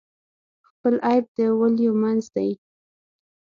خپل عیب د ولیو منځ دی.